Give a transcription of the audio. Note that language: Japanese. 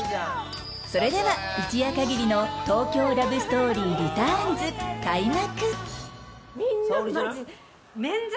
それでは一夜限りの「東京ラブストーリーリターンズ」開幕。